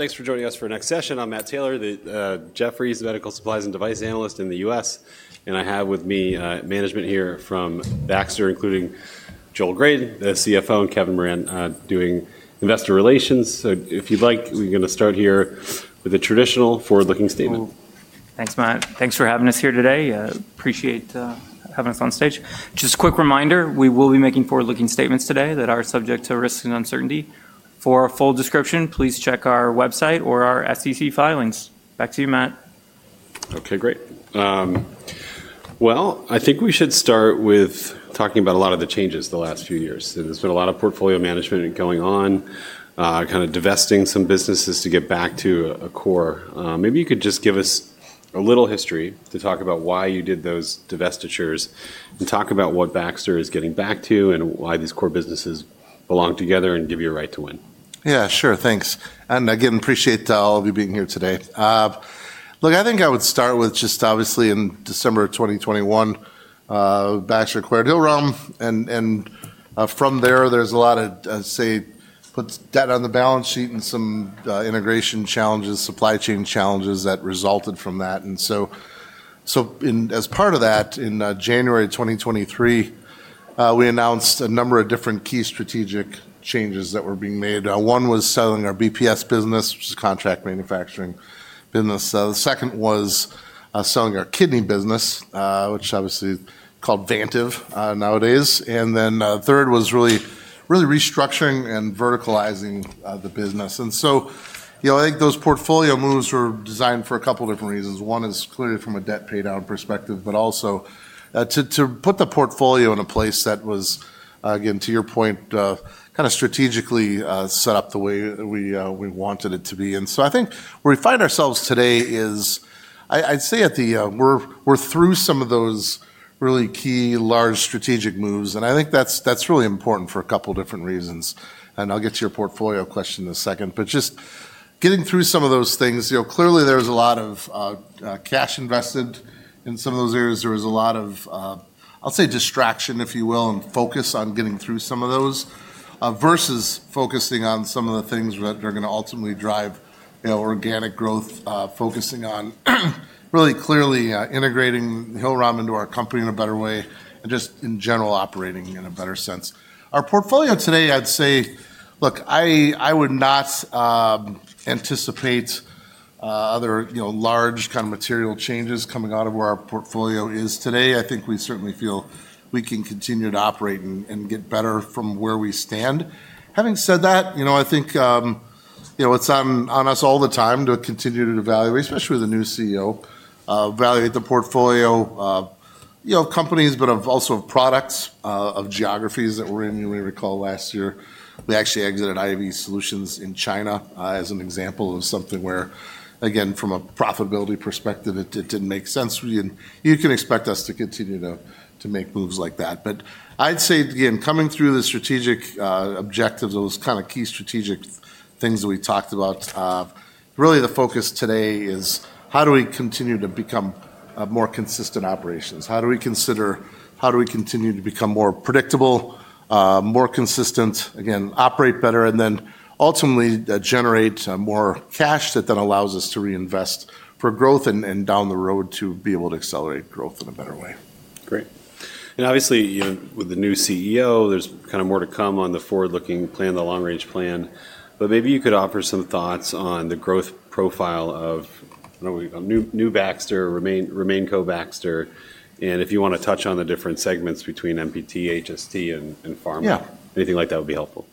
Thanks for joining us for our next session. I'm Matt Taylor, the Jefferies Medical Supplies and Device Analyst in the U.S. I have with me management here from Baxter, including Joel Grade, the CFO, and Kevin Moran, doing investor relations. If you'd like, we're going to start here with a traditional forward-looking statement. Thanks, Matt. Thanks for having us here today. Appreciate having us on stage. Just a quick reminder, we will be making forward-looking statements today that are subject to risk and uncertainty. For a full description, please check our website or our SEC filings. Back to you, Matt. Okay, great. I think we should start with talking about a lot of the changes the last few years. There's been a lot of portfolio management going on, kind of divesting some businesses to get back to a core. Maybe you could just give us a little history to talk about why you did those divestitures and talk about what Baxter is getting back to and why these core businesses belong together and give you a right to win. Yeah, sure. Thanks. Again, appreciate all of you being here today. Look, I think I would start with just obviously in December 2021, Baxter acquired Hillrom. From there, there is a lot of, say, put debt on the balance sheet and some integration challenges, supply chain challenges that resulted from that. As part of that, in January 2023, we announced a number of different key strategic changes that were being made. One was selling our BPS business, which is contract manufacturing business. The second was selling our kidney business, which obviously is called Vantive nowadays. The third was really restructuring and verticalizing the business. I think those portfolio moves were designed for a couple of different reasons. One is clearly from a debt paydown perspective, but also to put the portfolio in a place that was, again, to your point, kind of strategically set up the way we wanted it to be. I think where we find ourselves today is, I'd say at the, we're through some of those really key large strategic moves. I think that's really important for a couple of different reasons. I'll get to your portfolio question in a second. Just getting through some of those things, clearly there's a lot of cash invested in some of those areas. There was a lot of, I'll say, distraction, if you will, and focus on getting through some of those versus focusing on some of the things that are going to ultimately drive organic growth, focusing on really clearly integrating Hillrom into our company in a better way and just in general operating in a better sense. Our portfolio today, I'd say, look, I would not anticipate other large kind of material changes coming out of where our portfolio is today. I think we certainly feel we can continue to operate and get better from where we stand. Having said that, I think it's on us all the time to continue to evaluate, especially with a new CEO, evaluate the portfolio of companies, but also of products, of geographies that we're in. You may recall last year we actually exited Ivy Solutions in China as an example of something where, again, from a profitability perspective, it did not make sense. You can expect us to continue to make moves like that. I would say, again, coming through the strategic objectives, those kind of key strategic things that we talked about, really the focus today is how do we continue to become more consistent operations? How do we consider how do we continue to become more predictable, more consistent, again, operate better, and then ultimately generate more cash that then allows us to reinvest for growth and down the road to be able to accelerate growth in a better way? Great. Obviously, with the new CEO, there is kind of more to come on the forward-looking plan, the long-range plan. Maybe you could offer some thoughts on the growth profile of new Baxter, remaining co-Baxter, and if you want to touch on the different segments between MPT, HST, and Pharma. Anything like that would be helpful.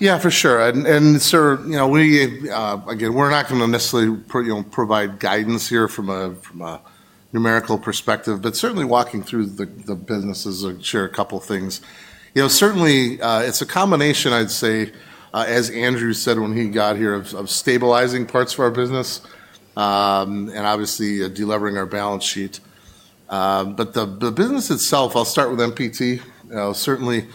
Yeah, for sure. Sir, again, we're not going to necessarily provide guidance here from a numerical perspective, but certainly walking through the businesses and share a couple of things. Certainly, it's a combination, I'd say, as Andrew said when he got here, of stabilizing parts of our business and obviously delivering our balance sheet. The business itself, I'll start with MPT. Certainly,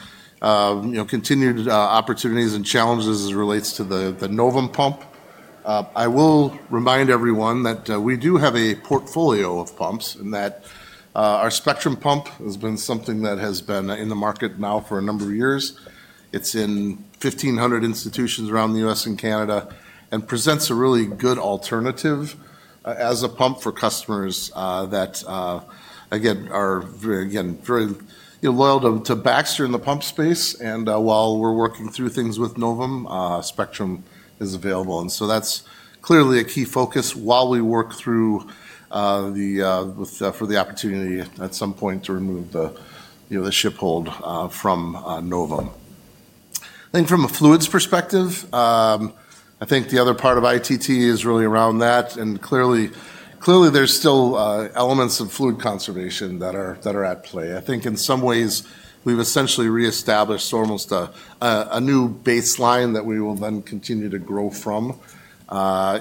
continued opportunities and challenges as it relates to the Novum pump. I will remind everyone that we do have a portfolio of pumps and that our Spectrum pump has been something that has been in the market now for a number of years. It's in 1,500 institutions around the U.S. and Canada and presents a really good alternative as a pump for customers that, again, are very loyal to Baxter in the pump space. While we're working through things with Novum, Spectrum is available. That is clearly a key focus while we work through for the opportunity at some point to remove the shiphold from Novum. I think from a fluids perspective, the other part of ITT is really around that. Clearly, there are still elements of fluid conservation that are at play. In some ways, we have essentially reestablished almost a new baseline that we will then continue to grow from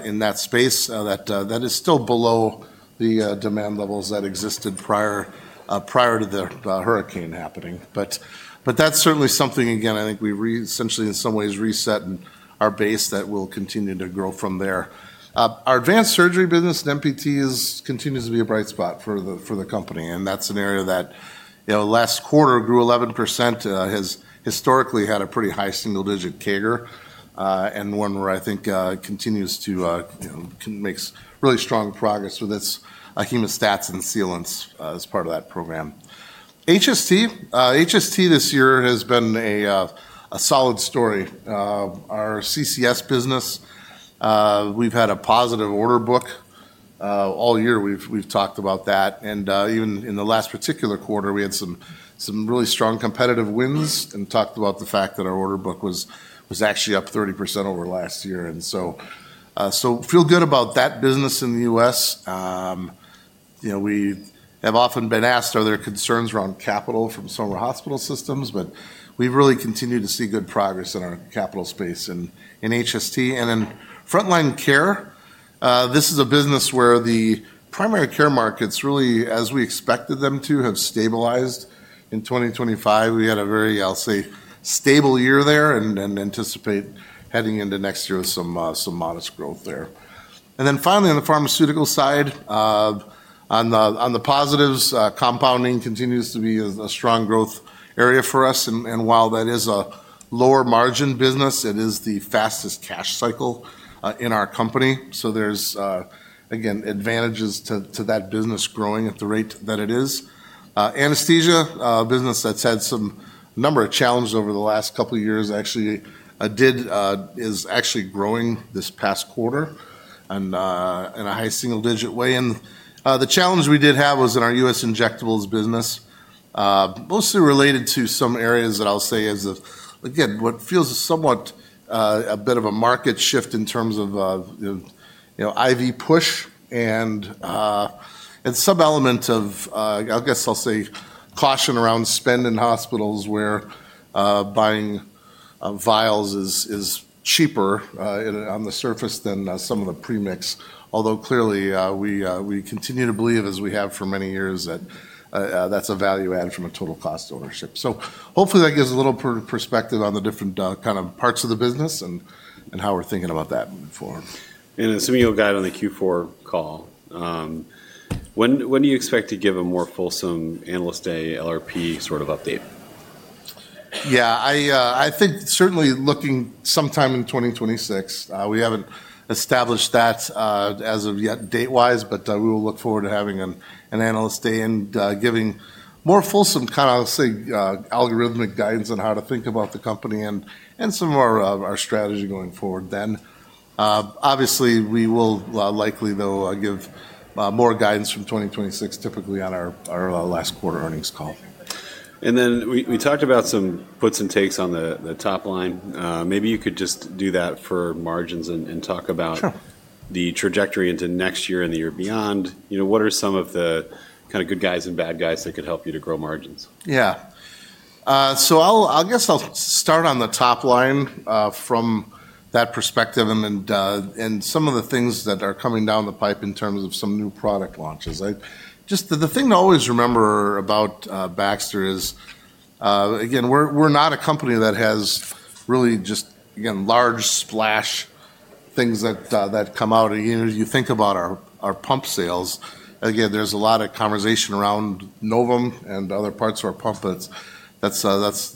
in that space, which is still below the demand levels that existed prior to the hurricane happening. That is certainly something, again, I think we essentially in some ways reset our base that will continue to grow from there. Our advanced surgery business at MPT continues to be a bright spot for the company. That is an area that last quarter grew 11%, has historically had a pretty high single-digit CAGR, and one where I think continues to make really strong progress with its hemostats and sealants as part of that program. HST this year has been a solid story. Our CCS business, we have had a positive order book all year. We have talked about that. Even in the last particular quarter, we had some really strong competitive wins and talked about the fact that our order book was actually up 30% over last year. I feel good about that business in the U.S. We have often been asked, are there concerns around capital from some of our hospital systems? We have really continued to see good progress in our capital space in HST.In frontline care, this is a business where the primary care markets really, as we expected them to, have stabilized in 2025. We had a very, I'll say, stable year there and anticipate heading into next year with some modest growth there. Finally, on the pharmaceutical side, on the positives, compounding continues to be a strong growth area for us. While that is a lower margin business, it is the fastest cash cycle in our company. There are, again, advantages to that business growing at the rate that it is. Anesthesia, a business that's had some number of challenges over the last couple of years, actually is growing this past quarter in a high single-digit way. The challenge we did have was in our U.S.injectables business, mostly related to some areas that I'll say as of, again, what feels somewhat a bit of a market shift in terms of IV push and some element of, I guess I'll say, caution around spend in hospitals where buying vials is cheaper on the surface than some of the premix. Although clearly, we continue to believe, as we have for many years, that that's a value add from a total cost of ownership. Hopefully that gives a little perspective on the different kind of parts of the business and how we're thinking about that moving forward. Assuming you'll guide on the Q4 call, when do you expect to give a more fulsome analyst day, LRP sort of update? Yeah, I think certainly looking sometime in 2026. We haven't established that as of yet date-wise, but we will look forward to having an analyst day and giving more fulsome kind of, I'll say, algorithmic guidance on how to think about the company and some of our strategy going forward then. Obviously, we will likely, though, give more guidance from 2026, typically on our last quarter earnings call. We talked about some puts and takes on the top line. Maybe you could just do that for margins and talk about the trajectory into next year and the year beyond. What are some of the kind of good guys and bad guys that could help you to grow margins? Yeah. I guess I'll start on the top line from that perspective and some of the things that are coming down the pipe in terms of some new product launches. Just the thing to always remember about Baxter is, again, we're not a company that has really just, again, large splash things that come out. You think about our pump sales. Again, there's a lot of conversation around Novum and other parts of our pump. That's less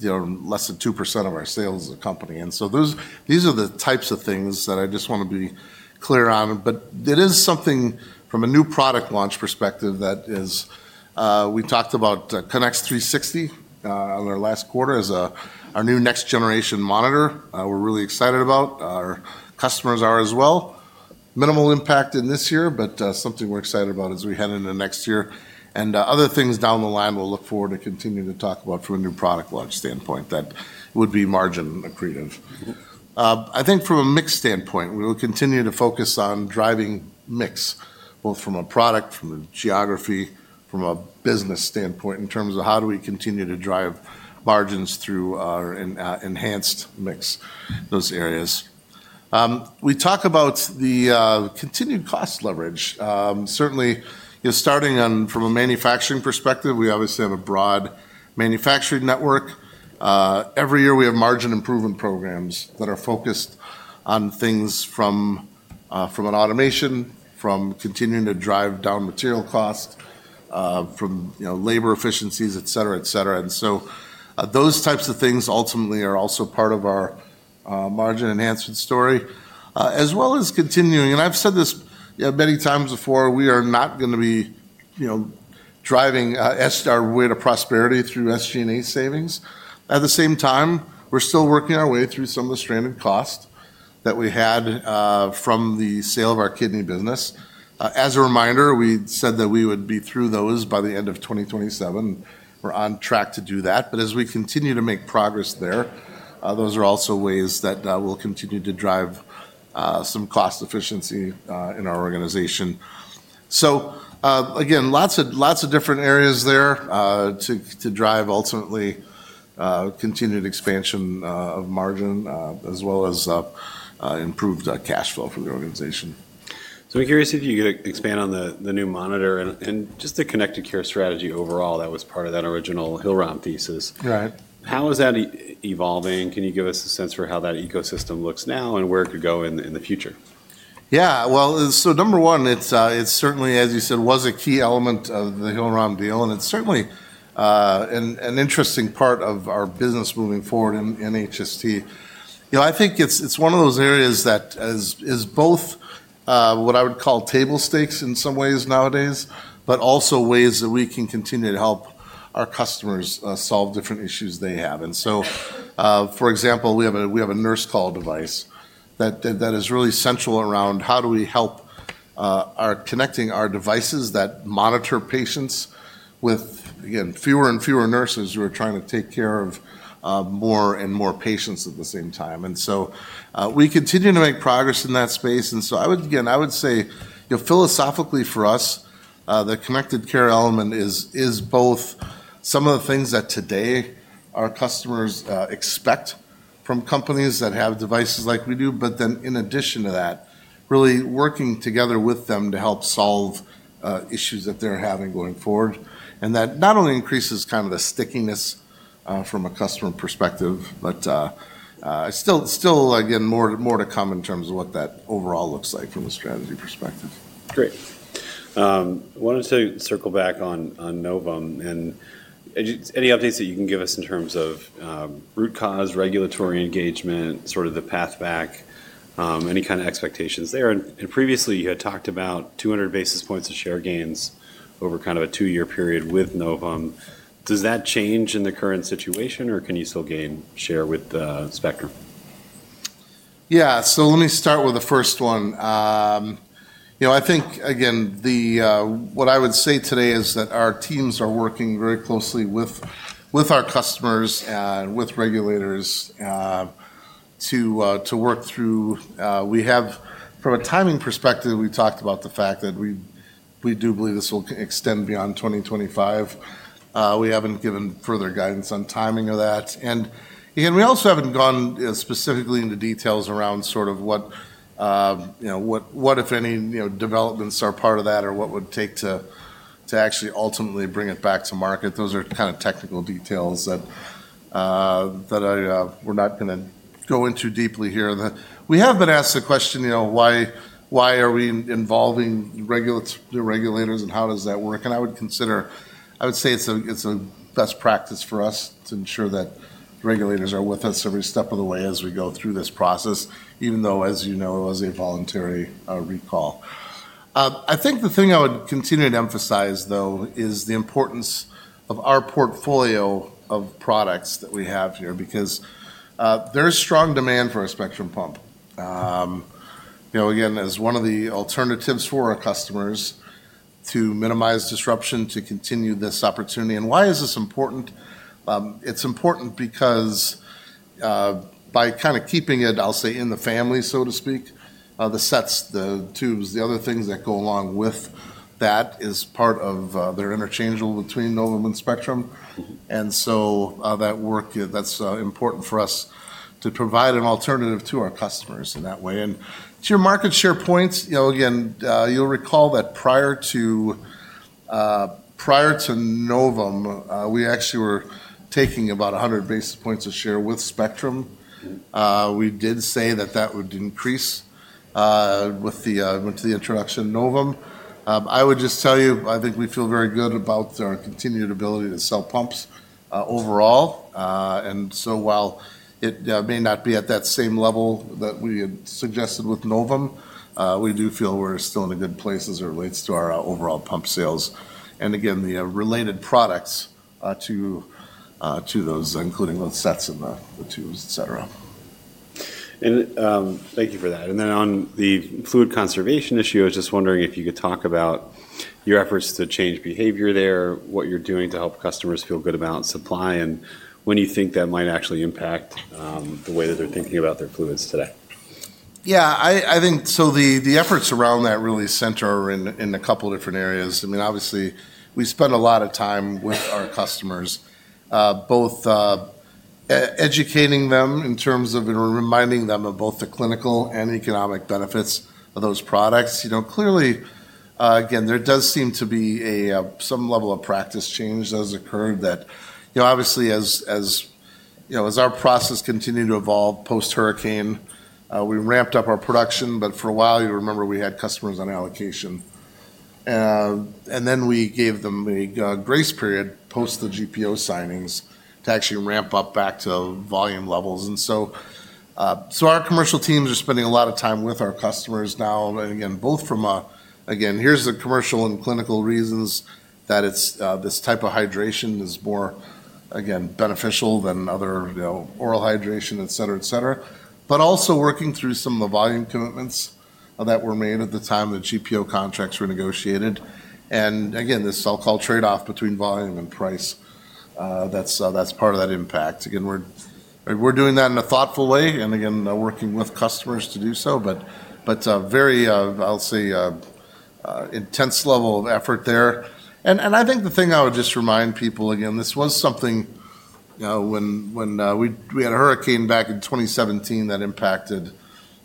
than two percentof our sales of the company. These are the types of things that I just want to be clear on. It is something from a new product launch perspective that is, we talked about Connex 360 on our last quarter as our new next-generation monitor. We're really excited about it. Our customers are as well. Minimal impact in this year, but something we're excited about as we head into next year. Other things down the line, we'll look forward to continuing to talk about from a new product launch standpoint that would be margin accretive. I think from a mix standpoint, we will continue to focus on driving mix, both from a product, from a geography, from a business standpoint in terms of how do we continue to drive margins through our enhanced mix, those areas. We talk about the continued cost leverage. Certainly, starting from a manufacturing perspective, we obviously have a broad manufacturing network. Every year, we have margin improvement programs that are focused on things from automation, from continuing to drive down material cost, from labor efficiencies, et cetera, et cetera. Those types of things ultimately are also part of our margin enhancement story, as well as continuing. I've said this many times before, we are not going to be driving our way to prosperity through SG&A savings. At the same time, we're still working our way through some of the stranded cost that we had from the sale of our kidney business. As a reminder, we said that we would be through those by the end of 2027. We're on track to do that. As we continue to make progress there, those are also ways that we'll continue to drive some cost efficiency in our organization. Again, lots of different areas there to drive ultimately continued expansion of margin, as well as improved cash flow for the organization. I'm curious if you could expand on the new monitor and just the connected care strategy overall that was part of that original Hillrom thesis. How is that evolving? Can you give us a sense for how that ecosystem looks now and where it could go in the future? Yeah, number one, it's certainly, as you said, was a key element of the Hillrom deal. It's certainly an interesting part of our business moving forward in HST. I think it's one of those areas that is both what I would call table stakes in some ways nowadays, but also ways that we can continue to help our customers solve different issues they have. For example, we have a nurse call device that is really central around how do we help connecting our devices that monitor patients with, again, fewer and fewer nurses who are trying to take care of more and more patients at the same time. We continue to make progress in that space.I would say philosophically for us, the connected care element is both some of the things that today our customers expect from companies that have devices like we do, but then in addition to that, really working together with them to help solve issues that they're having going forward. That not only increases kind of the stickiness from a customer perspective, but still, again, more to come in terms of what that overall looks like from a strategy perspective. Great. I wanted to circle back on Novum and any updates that you can give us in terms of root cause, regulatory engagement, sort of the path back, any kind of expectations there. Previously, you had talked about 200 basis points of share gains over kind of a two-year period with Novum. Does that change in the current situation, or can you still gain share with Spectrum? Yeah, let me start with the first one. I think, again, what I would say today is that our teams are working very closely with our customers and with regulators to work through. From a timing perspective, we talked about the fact that we do believe this will extend beyond 2025. We have not given further guidance on timing of that. Again, we also have not gone specifically into details around sort of what, if any, developments are part of that or what it would take to actually ultimately bring it back to market. Those are kind of technical details that we are not going to go into deeply here. We have been asked the question, why are we involving regulators and how does that work?I would consider, I would say it's a best practice for us to ensure that regulators are with us every step of the way as we go through this process, even though, as you know, it was a voluntary recall. I think the thing I would continue to emphasize, though, is the importance of our portfolio of products that we have here because there is strong demand for a Spectrum pump. Again, as one of the alternatives for our customers to minimize disruption, to continue this opportunity. Why is this important? It's important because by kind of keeping it, I'll say, in the family, so to speak, the sets, the tubes, the other things that go along with that is part of their interchangeable between Novum and Spectrum. That work, that's important for us to provide an alternative to our customers in that way. To your market share points, again, you'll recall that prior to Novum, we actually were taking about 100 basis points of share with Spectrum. We did say that that would increase with the introduction of Novum. I would just tell you, I think we feel very good about our continued ability to sell pumps overall. While it may not be at that same level that we had suggested with Novum, we do feel we're still in a good place as it relates to our overall pump sales. Again, the related products to those, including those sets and the tubes, et cetera. Thank you for that. On the fluid conservation issue, I was just wondering if you could talk about your efforts to change behavior there, what you're doing to help customers feel good about supply, and when you think that might actually impact the way that they're thinking about their fluids today. Yeah, I think so. The efforts around that really center in a couple of different areas. I mean, obviously, we spend a lot of time with our customers, both educating them in terms of reminding them of both the clinical and economic benefits of those products. Clearly, again, there does seem to be some level of practice change that has occurred that, obviously, as our process continued to evolve post-hurricane, we ramped up our production. For a while, you remember we had customers on allocation. We gave them a grace period post the GPO signings to actually ramp up back to volume levels. Our commercial teams are spending a lot of time with our customers now. Again, both from, again, here are the commercial and clinical reasons that this type of hydration is more, again, beneficial than other oral hydration, et cetera, et cetera. Also working through some of the volume commitments that were made at the time the GPO contracts were negotiated. Again, this so-called trade-off between volume and price, that's part of that impact. Again, we're doing that in a thoughtful way and working with customers to do so, but very, I'll say, intense level of effort there. I think the thing I would just remind people, again, this was something when we had a hurricane back in 2017 that impacted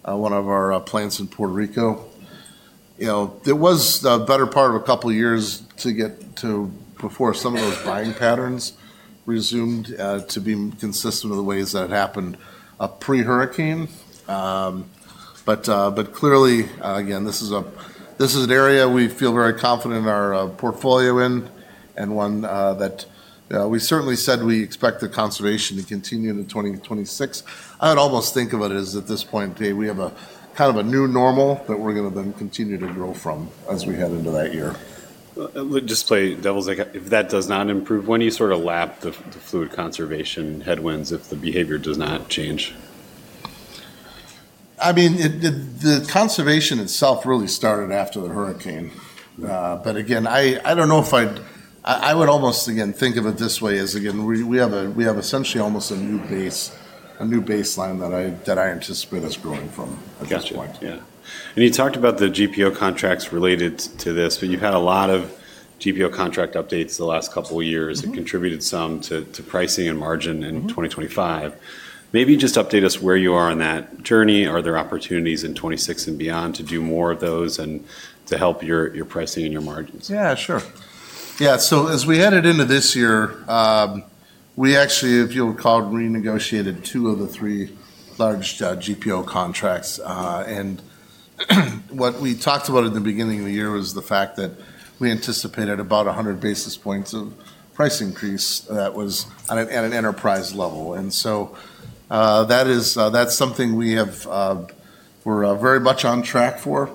one of our plants in Puerto Rico. There was the better part of a couple of years before some of those buying patterns resumed to be consistent with the ways that had happened pre-hurricane. Clearly, again, this is an area we feel very confident in our portfolio in and one that we certainly said we expect the conservation to continue into 2026.I would almost think of it as at this point in the day, we have kind of a new normal that we're going to then continue to grow from as we head into that year. Let me just play devil's example. If that does not improve, when do you sort of lap the fluid conservation headwinds if the behavior does not change? I mean, the conversation itself really started after the hurricane. Again, I do not know if I would, I would almost, again, think of it this way as, again, we have essentially almost a new baseline that I anticipate us growing from at this point. Gotcha. Yeah. You talked about the GPO contracts related to this, but you've had a lot of GPO contract updates the last couple of years that contributed some to pricing and margin in 2025. Maybe just update us where you are on that journey. Are there opportunities in 2026 and beyond to do more of those and to help your pricing and your margins? Yeah, sure. Yeah. As we headed into this year, we actually, if you'll recall, renegotiated two of the three large GPO contracts. What we talked about at the beginning of the year was the fact that we anticipated about 100 basis points of price increase that was at an enterprise level. That's something we have, we're very much on track for.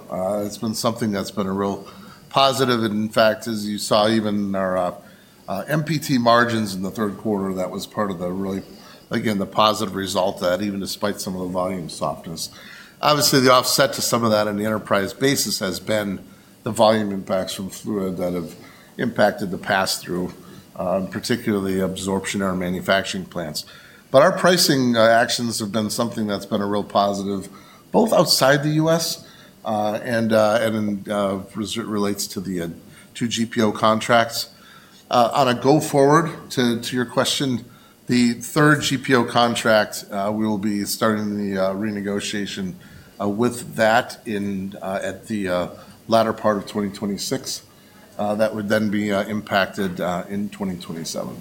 It's been something that's been a real positive. In fact, as you saw, even our MPT margins in the third quarter, that was part of the really, again, the positive result that, even despite some of the volume softness. Obviously, the offset to some of that in the enterprise basis has been the volume impacts from fluid that have impacted the pass-through, particularly absorption in our manufacturing plants. Our pricing actions have been something that's been a real positive, both outside the U.S.as it relates to the two GPO contracts. On a go-forward, to your question, the third GPO contract, we will be starting the renegotiation with that at the latter part of 2026. That would then be impacted in 2027.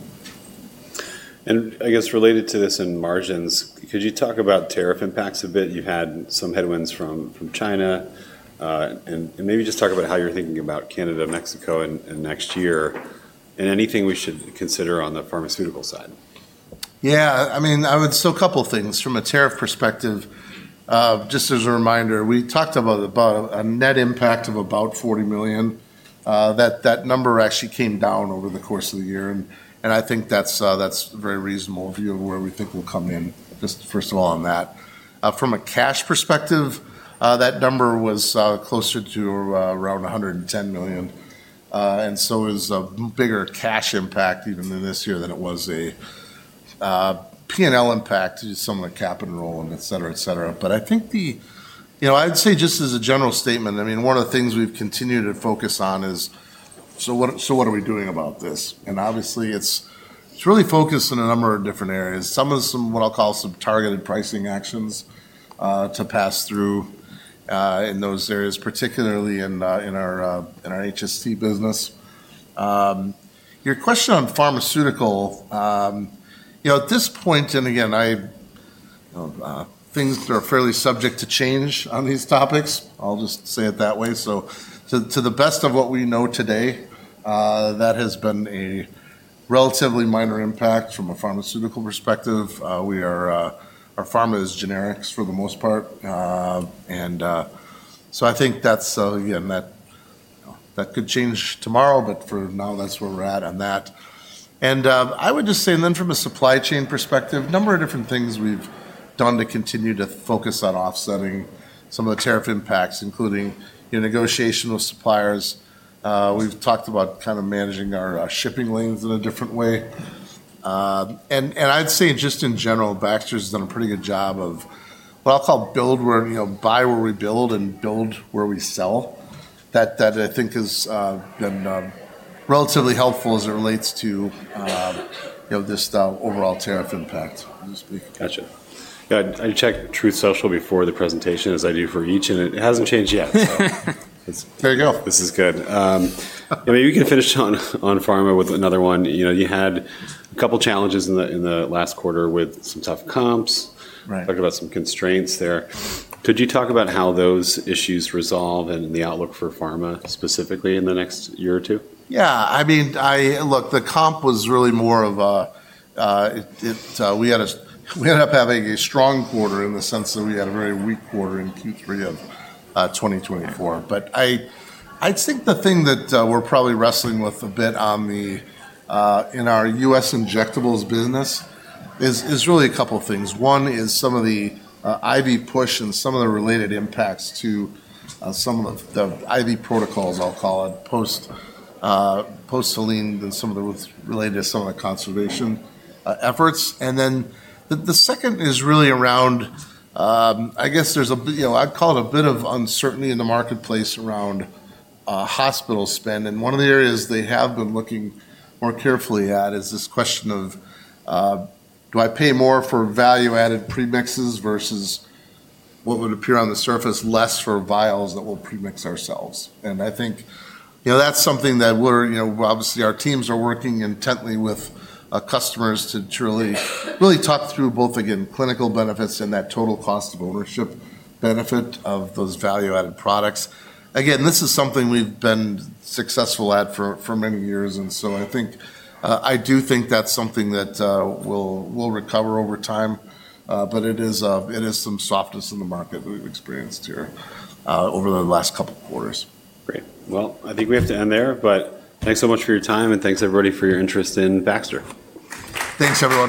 I guess related to this in margins, could you talk about tariff impacts a bit? You've had some headwinds from China. Maybe just talk about how you're thinking about Canada, Mexico, and next year, and anything we should consider on the pharmaceutical side. Yeah. I mean, I would say a couple of things from a tariff perspective. Just as a reminder, we talked about a net impact of about $40 million. That number actually came down over the course of the year. I think that's a very reasonable view of where we think we'll come in, just first of all on that. From a cash perspective, that number was closer to around $110 million. It was a bigger cash impact even in this year than it was a P&L impact due to some of the capital rolling, et cetera, et cetera. I think, I'd say just as a general statement, I mean, one of the things we've continued to focus on is, so what are we doing about this? Obviously, it's really focused in a number of different areas. Some of what I'll call some targeted pricing actions to pass through in those areas, particularly in our HST business. Your question on pharmaceutical, at this point, and again, things that are fairly subject to change on these topics, I'll just say it that way. To the best of what we know today, that has been a relatively minor impact from a pharmaceutical perspective. Our pharma is generics for the most part. I think that's, again, that could change tomorrow, but for now, that's where we're at on that. I would just say, from a supply chain perspective, a number of different things we've done to continue to focus on offsetting some of the tariff impacts, including your negotiation with suppliers. We've talked about kind of managing our shipping lanes in a different way. I'd say just in general, Baxter's done a pretty good job of what I'll call build where we buy, where we build, and build where we sell. That I think has been relatively helpful as it relates to this overall tariff impact. Gotcha. Yeah. I checked Truth Social before the presentation as I do for each, and it hasn't changed yet. There you go. This is good. I mean, we can finish on pharma with another one. You had a couple of challenges in the last quarter with some tough comps. Talk about some constraints there. Could you talk about how those issues resolve and the outlook for pharma specifically in the next year or two? Yeah. I mean, look, the comp was really more of a we ended up having a strong quarter in the sense that we had a very weak quarter in Q3 of 2024. I'd think the thing that we're probably wrestling with a bit in our U.S. injectables business is really a couple of things. One is some of the IV push and some of the related impacts to some of the IV protocols, I'll call it, post-saline and some of the related to some of the conservation efforts. The second is really around, I guess there's a, I'd call it a bit of uncertainty in the marketplace around hospital spend. One of the areas they have been looking more carefully at is this question of, do I pay more for value-added premixes versus what would appear on the surface less for vials that we'll premix ourselves?I think that's something that we're, obviously, our teams are working intently with customers to truly really talk through both, again, clinical benefits and that total cost of ownership benefit of those value-added products. Again, this is something we've been successful at for many years. I do think that's something that will recover over time, but it is some softness in the market that we've experienced here over the last couple of quarters. Great. I think we have to end there, but thanks so much for your time and thanks everybody for your interest in Baxter. Thanks, everybody.